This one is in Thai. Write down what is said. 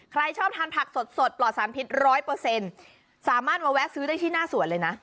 ใครชอบทานผักสดปลอดสารพิษร้อยเปอร์เซ็นต์สามารถมาแวะซื้อได้ที่หน้าสวนเลยนะ